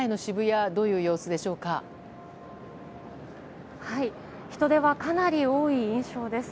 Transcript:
はい、人出はかなり多い印象です。